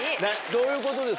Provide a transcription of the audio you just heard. どういうことです？